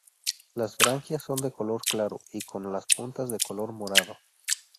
Las branquias son de color claro y con las puntas de color morado.